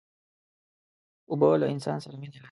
اوبه له انسان سره مینه لري.